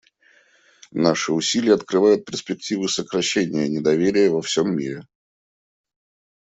Наши усилия открывают перспективы сокращения недоверия во всем мире.